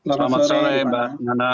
selamat sore mbak nana